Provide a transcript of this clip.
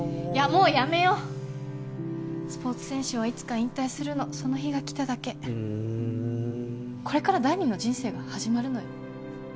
もうやめようスポーツ選手はいつか引退するのその日が来ただけうんこれから第２の人生が始まるのよ